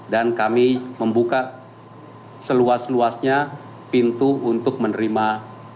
dan kami membuka seluas luasnya pintu untuk menerima pajak